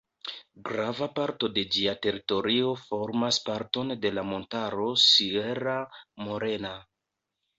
Grava parto de ĝia teritorio formas parton de la montaro Sierra Morena.